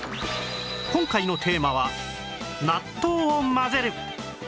今回のテーマは納豆を混ぜる